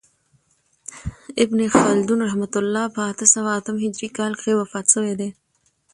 ابن خلدون رحمة الله په اته سوه اتم هجري کال کښي وفات سوی دئ.